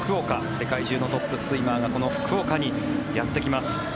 世界中のトップスイマーがこの福岡にやってきます。